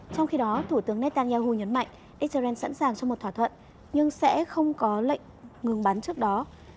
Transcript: trong khi đó thủ tướng netanyahu nhấn mạnh israel sẵn sàng cho một thỏa thuận nhưng sẽ không có lệnh ngừng bắn trước đó